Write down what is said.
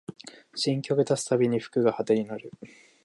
新曲出すたびに服が派手になる